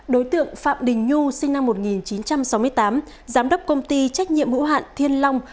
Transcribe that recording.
đối tượng phạm đình nhu sinh năm một nghìn chín trăm sáu mươi tám giám đốc công ty trách nhiệm hữu hạn thiên long